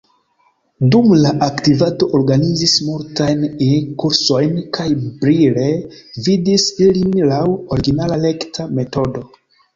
Dum sia aktivado organizis multajn E-kursojn kaj brile gvidis ilin laŭ originala rekta metodo.